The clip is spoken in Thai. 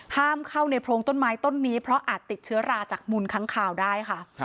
ห้ามเข้าในโพรงต้นไม้ต้นนี้เพราะอาจติดเชื้อราจากมุนค้างคาวได้ค่ะ